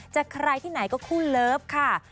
ใครที่ไหนก็คู่เลิฟค่ะ